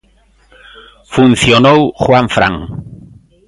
Funcionou Juan Fran.